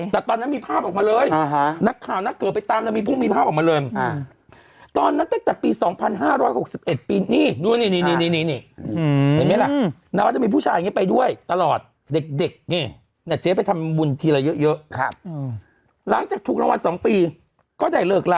แต่ตอนนั้นมีภาพออกมาเลยนักข่าวนักเกิดไปตามแล้วมีผู้มีภาพออกมาเลย